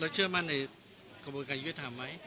เชื่อมั่นในกระบวนการยุทธธรรมไหม